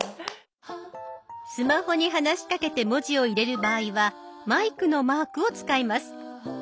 スマホに話しかけて文字を入れる場合はマイクのマークを使います。